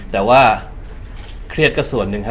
แต่ว่าเครียดก็ส่วนหนึ่งครับ